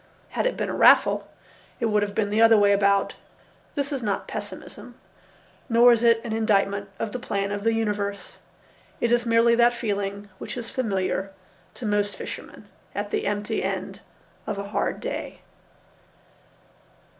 Had it been a raffle, it would have been the other way about. This is not pessimism. Nor is it an indictment of the plan of the universe. It is merely that feeling which is familiar to most fishermen at the empty end of a hard day.